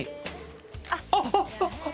あっ！